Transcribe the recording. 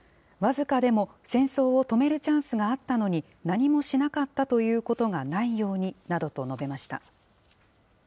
僅かでも戦争を止めるチャンスがあったのに何もしなかったということがないようになどと述べました。